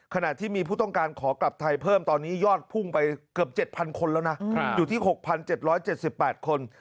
ขณะที่มีผู้ต้องการขอกลับไทยเพิ่มตอนนี้ยอดพุ่งไปเกือบ๗๐๐คนแล้วนะอยู่ที่๖๗๗๘คน